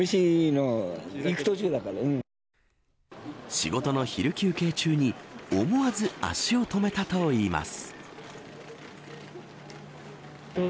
仕事の昼休憩中に思わず足を止めたといいます。